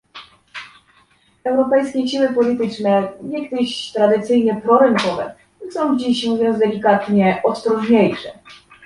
Europejskie siły polityczne, niegdyś tradycyjnie prorynkowe, są dziś - mówiąc delikatnie - ostrożniejsze"